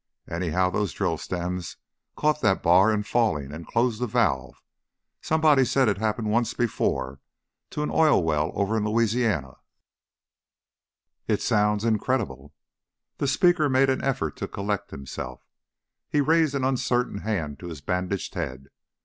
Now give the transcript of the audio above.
Anyhow, those drill stems caught that bar in falling and closed the valve. Somebody said it happened once before, to an oil well over in Louisiana " "It sounds incredible." The speaker made an effort to collect himself, he raised an uncertain hand to his bandaged head.